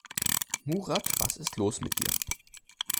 Murat, was ist los mit dir?